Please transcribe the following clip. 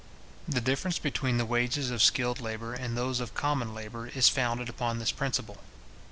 The difference between the wages of skilled labour and those of common labour, is founded upon this principle.